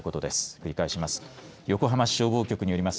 繰り返します。